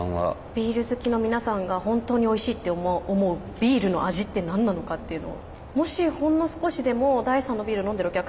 ビール好きの皆さんが本当においしいって思うビールの味って何なのかっていうのを。